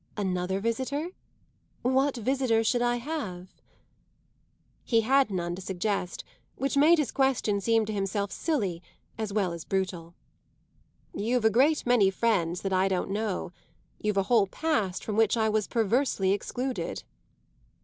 "Another visitor? What visitor should I have?" He had none to suggest; which made his question seem to himself silly as well as brutal. "You've a great many friends that I don't know. You've a whole past from which I was perversely excluded."